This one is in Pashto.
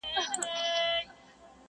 شماره هغه بس چي خوی د سړو راوړي,